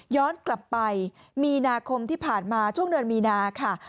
ย้อนกลับไปมีนาคมที่ผ่านมาช่วงเดือนมีนาค่ะ